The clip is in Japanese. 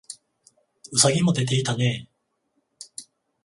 兎もでていたねえ